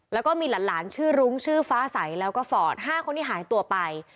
แล้วก็มีหลานชื่อรุ้งชื่อฟ้าใสแล้วก็ฟอร์ด๕คนที่หายตัวไป